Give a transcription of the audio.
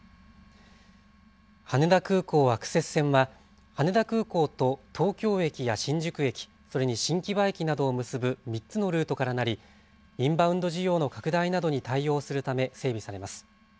羽田空港アクセス線は羽田空港と東京駅や新宿駅、それに新木場駅などを結ぶ３つのルートからなりインバウンド需要の拡大などに対応するため整備されます。